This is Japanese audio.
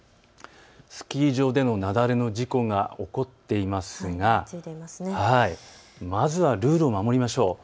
スキー場での雪崩の事故が起こっていますがまずはルールを守りましょう。